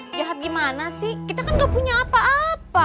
lihat gimana sih kita kan gak punya apa apa